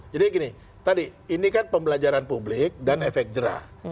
jadi gini tadi ini kan pembelajaran publik dan efek jerah